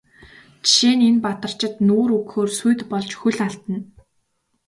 Жишээ нь энэ Бадарчид нүүр өгөхөөр сүйд болж хөл алдана.